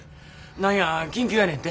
何や緊急やねんて。